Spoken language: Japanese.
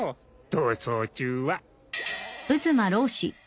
逃走中は。